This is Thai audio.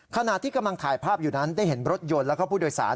ขณะที่กำลังถ่ายภาพอยู่นั้นได้เห็นรถยนต์แล้วก็ผู้โดยสาร